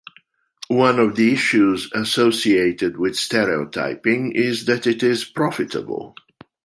One of the issues associated with stereotyping is that it is profitable.